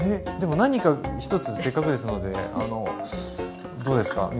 でも何か１つせっかくですのでどうですか？